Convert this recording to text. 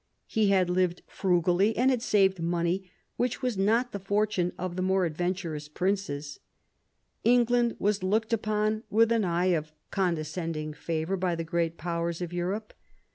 He had lived frugally and had saved money, which was not the fortune of the more adventurous prince& England was looked upon with an eye of condescending favour by the great powers of Europe.